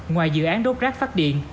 ngoài dự án đốt rác phát điện